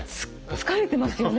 疲れてますよね